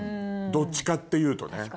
どっちかっていうとね。